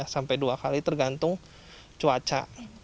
sampai dua kali tergantung cuaca